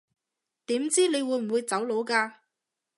點知你會唔會走佬㗎